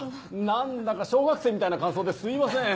何だか小学生みたいな感想ですいません。